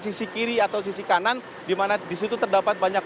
sisi kiri atau sisi kanan di mana di situ terdapat banyak